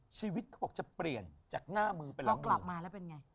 ชีวิตบอกจะเปลี่ยนจากหน้ามือไปละมือ